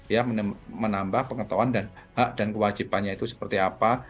ya menambah pengetahuan dan hak dan kewajibannya itu seperti apa